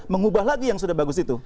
mengubah lagi yang sudah bagus itu